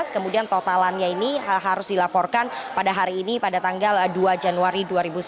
kemudian totalannya ini harus dilaporkan pada hari ini pada tanggal dua januari dua ribu sembilan belas